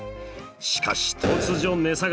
しかし突如値下がり。